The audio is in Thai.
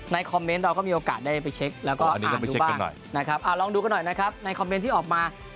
คอมเมนต์เราก็มีโอกาสได้ไปเช็คแล้วก็อ่านดูบ้างนะครับลองดูกันหน่อยนะครับในคอมเมนต์ที่ออกมา